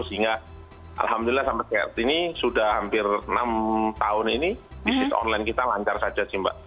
sehingga alhamdulillah sampai saat ini sudah hampir enam tahun ini bisnis online kita lancar saja sih mbak